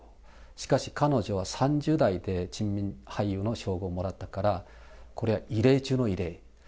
しかし、彼女は３０代で人民俳優の称号をもらったから、これは異例中の異例。